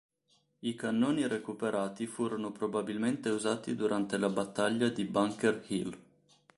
I cannoni recuperati furono probabilmente usati durante la battaglia di Bunker Hill.